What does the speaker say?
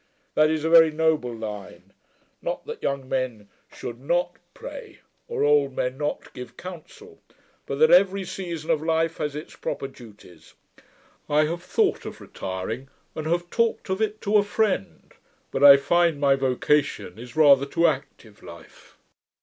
] That is a very noble line: not that young men should not pray, or old men not give counsel, but that every season of life has its proper duties. I have thought of retiring, and have talked of it to a friend; but I find my vocation is rather to active life.'